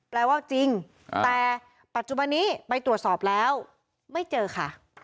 ว่าจริงแต่ปัจจุบันนี้ไปตรวจสอบแล้วไม่เจอค่ะ